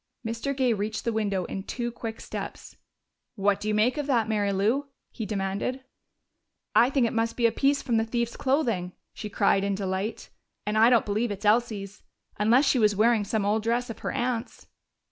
Mr. Gay reached the window in two quick steps. "What do you make of that, Mary Lou?" he demanded. "I think it must be a piece from the thief's clothing!" she cried in delight. "And I don't believe it's Elsie's. Unless she was wearing some old dress of her aunt's."